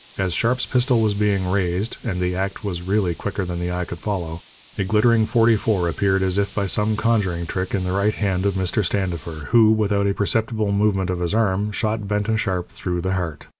As Sharp's pistol was being raised and the act was really quicker than the eye could follow a glittering .44 appeared as if by some conjuring trick in the right hand of Mr. Standifer, who, without a perceptible movement of his arm, shot Benton Sharp through the heart.